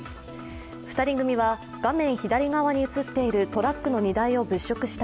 ２人組は画面左側に映っているトラックの荷台を物色した